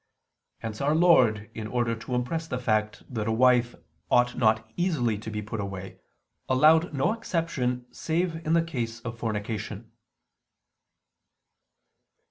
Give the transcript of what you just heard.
Hence Our Lord, in order to impress the fact that a wife ought not easily to be put away, allowed no exception save in the case of fornication."